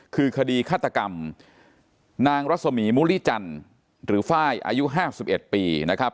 คือคดีฆาตกรรมนางรัศมีมุริจันทร์หรือไฟล์อายุ๕๑ปีนะครับ